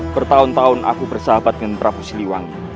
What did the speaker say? bertahun tahun aku bersahabat dengan prabu siliwangi